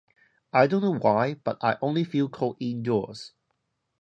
I don't know why, but I only feel cold indoors.